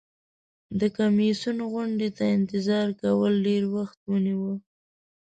د کمیسیون غونډې ته انتظار کول ډیر وخت ونیو.